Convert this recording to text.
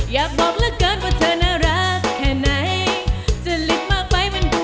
อยากบอกละกันว่าเธอน่ารักแค่ไหนจะลิกมากไปมันก็